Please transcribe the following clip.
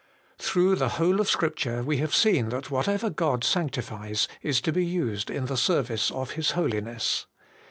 the whole of Scripture we have J seen that whatever God sanctifies is to be used in the service of His Holiness.